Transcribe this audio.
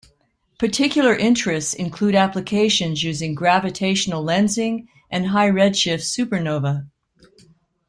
Particular interests include applications using gravitational lensing and high-redshift supernovae.